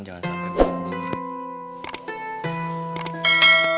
jangan sampai berubah